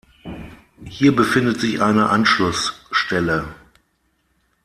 Hier befindet sich eine Anschlussstelle.